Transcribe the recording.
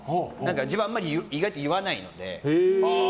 自分はあんまり意外と言わないので。